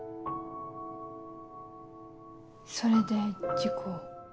それで事故を。